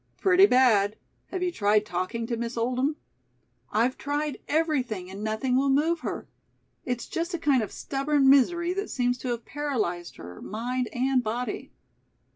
"Pretty bad. Have you tried talking to Miss Oldham?" "I've tried everything and nothing will move her. It's just a kind of stubborn misery that seems to have paralyzed her, mind and body."